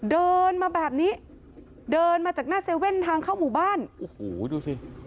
เดินมาแบบนี้เดินมาจากหน้าเซเว่นทางเข้าหมู่บ้านโอ้โหดูสิ